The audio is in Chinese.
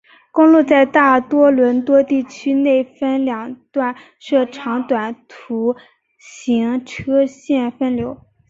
公路在大多伦多地区内分两段设长短途行车线分流。